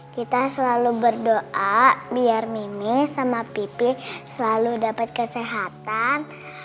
kita selalu berdoa biar mimi sama pipi selalu dapat kesehatan